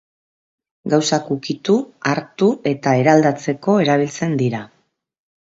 Gauzak ukitu, hartu eta eraldatzeko erabiltzen dira.